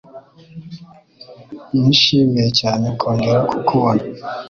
Nishimiye cyane kongera kukubona.